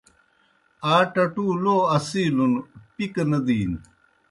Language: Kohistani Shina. آ ٹٹُو لو اَصِیلُن پِکہ نہ دِینوْ۔